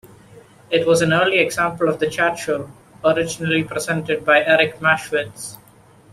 It was an early example of the chat show, originally presented by Eric Maschwitz.